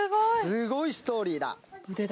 すごいストーリーだ。